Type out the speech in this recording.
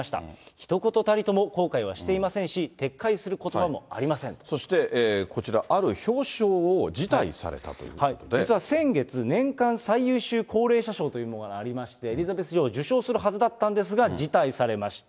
ひと言たりとも後悔はしていませんし、そしてこちら、実は先月、年間最優秀高齢者賞というのがありまして、エリザベス女王、受賞するはずだったんですが、辞退されました。